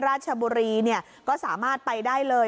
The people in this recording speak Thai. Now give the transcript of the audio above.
ราชบุรีก็สามารถไปได้เลย